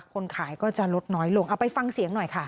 คนขายก็จะลดน้อยลงเอาไปฟังเสียงหน่อยค่ะ